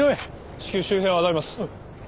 至急周辺をあたります。